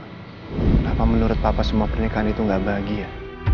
kenapa menurut papa semua pernikahan itu gak bahagia